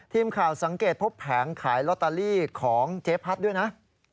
ทีมข่าวสังเกตพบแผงขายลอตเตอรี่ของเจ๊พัดด้วยนะ